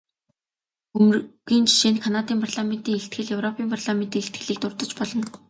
Хөмрөгийн жишээнд Канадын парламентын илтгэл, европын парламентын илтгэлийг дурдаж болно.